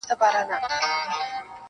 یو شته من وو چي دوې لوڼي یې لرلې -